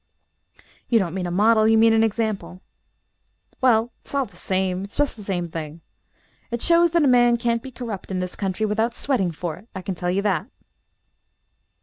"You don't mean a model; you mean an example." "Well, it's all the same; it's just the same thing. It shows that a man can't be corrupt in this country without sweating for it, I can tell you that."